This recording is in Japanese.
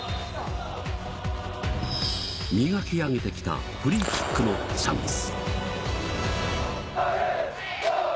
磨き上げてきたフリーキックのチャンス。